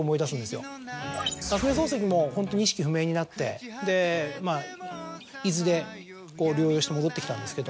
夏目漱石もホントに意識不明になって伊豆で療養して戻ってきたんですけど。